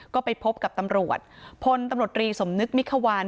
ก็ไปพบกับตำรวจพลตำรวจรีสมนึกมิควาน